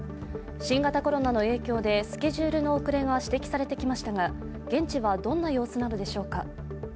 新型コロナの影響でスケジュールの遅れが指摘されてきましたが現地は、どんな様子なのでしょうか。